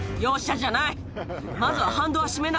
じゃない。